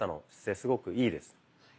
すごくいいです。